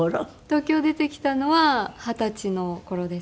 東京出てきたのは二十歳の頃です。